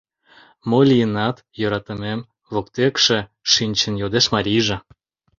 — Мо лийынат, йӧратымем? — воктекше шинчын йодеш марийже.